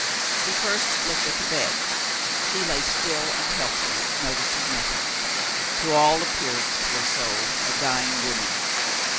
He first looked at the bed. She lay still and helpless, noticing nothing; to all appearance, poor soul, a dying woman.